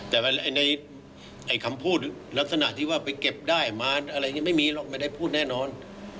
แต่ในคำพูดลักษณะที่ว่าไปเก็บได้มาอะไรอย่างนี้ไม่มีหรอกไม่ได้พูดแน่นอน